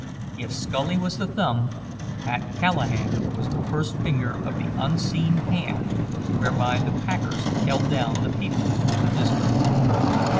If Scully was the thumb, Pat Callahan was the first finger of the unseen hand whereby the packers held down the people of the district.